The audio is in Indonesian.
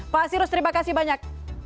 pak sirus terima kasih banyak